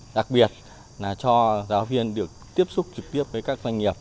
đặc biệt là cho giáo viên được tiếp xúc trực tiếp với các doanh nghiệp